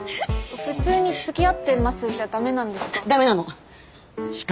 普通につきあってますじゃダメなんですか？